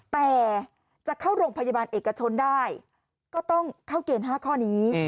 แต่จะเข้าโรงพยาบาลเอกชนได้ก็ต้องเข้าเกณฑ์๕ข้อนี้